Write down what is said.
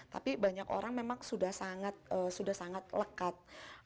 tapi banyak orang memang sudah sangat lekat